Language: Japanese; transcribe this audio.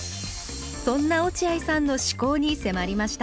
そんな落合さんの思考に迫りました